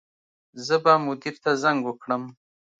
زه به مدیر ته زنګ وکړم